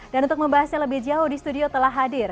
dan untuk membahasnya lebih jauh di studio telah hadir